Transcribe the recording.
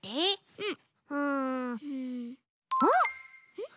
うん。